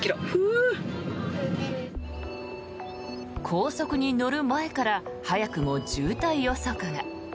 高速に乗る前から早くも渋滞予測が。